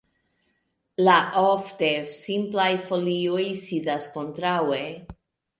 La ofte simplaj folioj sidas kontraŭe.